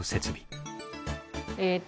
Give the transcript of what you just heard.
えっと